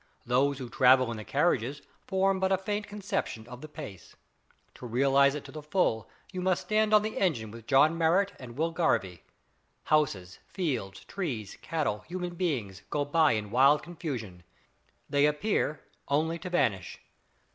Those who travel in the carriages form but a faint conception of the pace. To realise it to the full you must stand on the engine with John Marrot and Will Garvie. Houses, fields, trees, cattle, human beings, go by in wild confusion they appear only to vanish.